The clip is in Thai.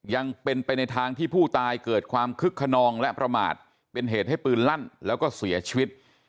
ยังเป็นไปในทางที่ผู้ตายเกิดความคึกขนองและประมาทเป็นเหตุให้ปืนลั่นแล้วก็เสียชีวิต